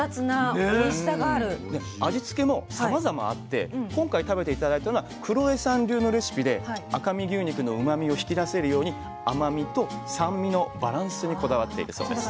で味付けもさまざまあって今回食べて頂いたのはクロエさん流のレシピで赤身牛肉のうまみを引き出せるように甘みと酸味のバランスにこだわっているそうです。